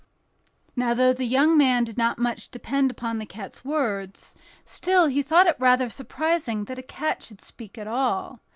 Now, though the young man did not much depend upon the cat's words, still he thought it rather surprising that a cat should speak at all.